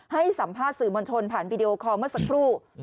ให้สัมภาษณ์สื่อมวลชนผ่านวีดีโอคอลเมื่อสักครู่